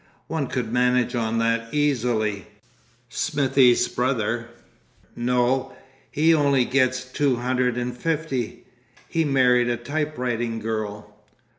"One could manage on that, easily. Smithie's brother—No, he only gets two hundred and fifty. He married a typewriting girl."